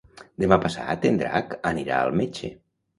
Demà passat en Drac anirà al metge.